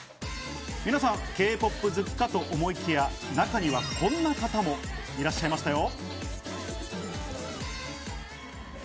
皆さん、Ｋ−ＰＯＰ好きかと思いきや、中にはこんな方もいらっしゃいましたよ。